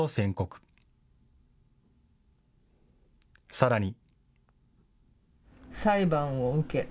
さらに。